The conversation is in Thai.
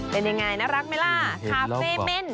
เป็นยังไงน่ารักไหมล่ะคาเฟ่เมน